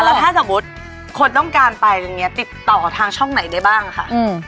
อ๋อแล้วถ้าสมมุติคนต้องการไปติดต่อทางช่องไหนได้บ้างค่ะอืม